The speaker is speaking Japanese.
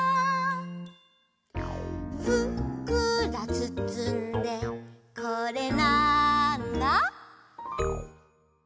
「ふっくらつつんでこれなんだ？」